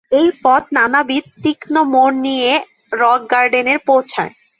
এই পথ নানাবিধ তীক্ষ্ণ মোড় নিয়ে রক গার্ডেনে পৌঁছায়।